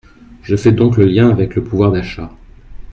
Je fais donc le lien avec le pouvoir d’achat.